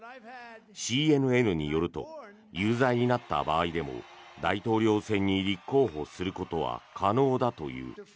ＣＮＮによると有罪になった場合でも大統領選に立候補することは可能だという。